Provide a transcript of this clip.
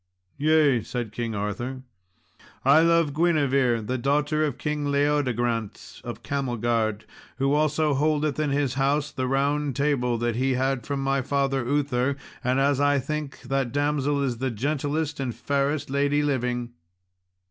"Yea," said King Arthur, "I love Guinevere, the daughter of King Leodegrance, of Camelgard, who also holdeth in his house the Round Table that he had from my father Uther; and as I think, that damsel is the gentlest and the fairest lady living."